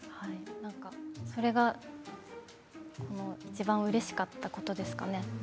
それが、いちばんうれしかったことですかね。